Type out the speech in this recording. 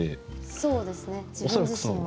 そうですね自分自身は。